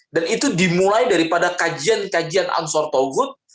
dan itu dimulai daripada kajian kajian ansor togut